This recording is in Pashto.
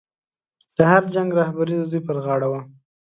د هر جنګ رهبري د دوی پر غاړه وه.